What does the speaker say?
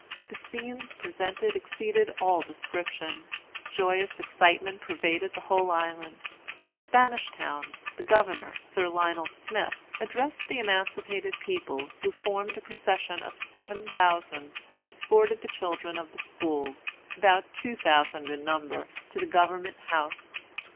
The scenes presented exceeded all description. Joyous excitement pervaded the whole island. At Spanish Town, the Governor, Sir Lionel Smith, addressed the emancipated people, who formed a procession of seven thousand, and escorted the children of the schools, about two thousand in number, to the Government House.